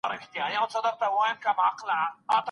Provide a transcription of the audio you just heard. ایا ګڼ خلګ اوږد ډنډ ړنګوي؟